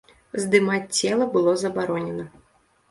Здымаць цела было забаронена.